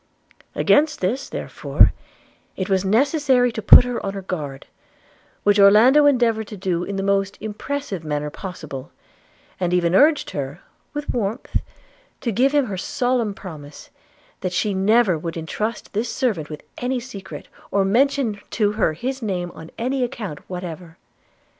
Against this therefore it was necessary to put her on her guard; which Orlando endeavoured to do in the most impressive manner possible, and even urged her with warmth to give him her solemn promise that she never would entrust this servant with any secret, or mention to her his name on any account whatever.